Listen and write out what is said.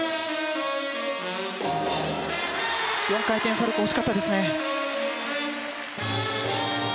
４回転サルコウ惜しかったですね。